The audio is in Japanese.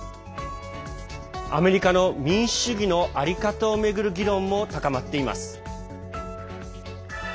アメリカの民主主義の在り方を巡る議論も高まっています。